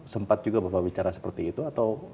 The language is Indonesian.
sempat juga bapak bicara seperti itu atau